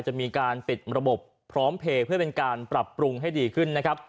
จะมีการปิดระบบพร้อมเพลย์เพื่อเป็นการปรับปรุงให้ดีขึ้นนะครับ